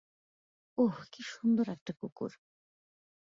ওহ, কি সুন্দর একটা কুকুর!